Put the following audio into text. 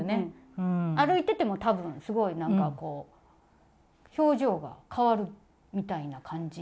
歩いてても多分すごいなんかこう表情がかわるみたいな感じ？